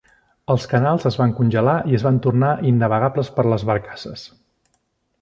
Els canals es van congelar i es van tornar innavegables per a les barcasses.